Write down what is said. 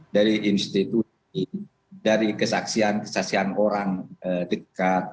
dari institusi dari kesaksian kesaksian orang dekat